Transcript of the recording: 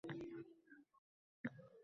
Tabib unga olti oy tibbiyotdan saboq beribdi